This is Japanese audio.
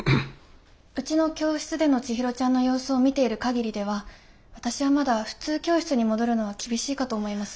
うちの教室でのちひろちゃんの様子を見ている限りでは私はまだ普通教室に戻るのは厳しいかと思います。